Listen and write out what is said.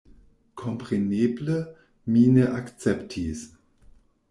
Kompreneble mi ne akceptis.